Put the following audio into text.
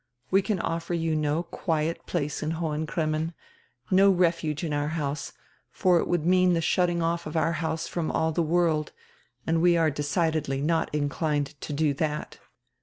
We can offer you no quiet place in Hohen Cremmen, no refuge in our house, for it would mean die shutting off of our house from all die world, and we are decidedly not in clined to do diat.